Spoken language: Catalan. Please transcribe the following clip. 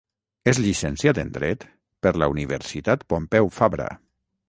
És llicenciat en dret per la Universitat Pompeu Fabra.